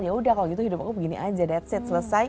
ya udah kalau gitu hidup aku begini aja that's it selesai